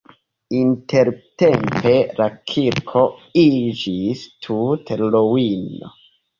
Intertempe la kirko iĝis tute ruino.